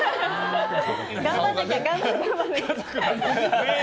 頑張んなきゃって。